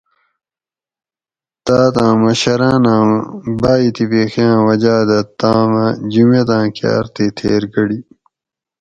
تاۤت آۤں مشراۤن آۤں باۤ اِتیفیقی آۤں وجاۤ دہ تام اۤ جُمیت آۤں کاۤر تھی تھیر گڑی